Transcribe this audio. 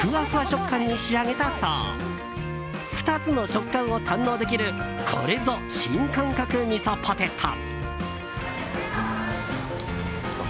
食感に仕上げた層２つの食感を堪能できるこれぞ、新感覚みそポテト！